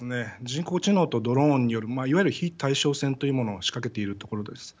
人工知能とドローンによるいわゆる非対称戦というものを仕掛けているところです。